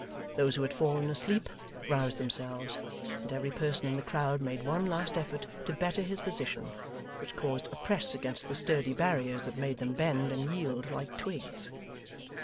Those who had fallen asleep, roused themselves; and every person in the crowd made one last effort to better his position which caused a press against the sturdy barriers that made them bend and yield like twigs.